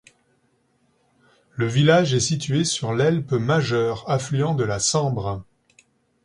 Le village est situé sur l'Helpe Majeure, affluent de la Sambre.